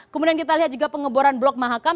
kemudian kita lihat juga pengeboran blok mahakam